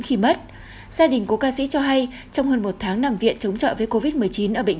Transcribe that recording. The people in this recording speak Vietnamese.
khi mất gia đình của ca sĩ cho hay trong hơn một tháng nằm viện chống trọi với covid một mươi chín ở bệnh